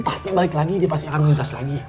pasti balik lagi dia pasti akan melintas lagi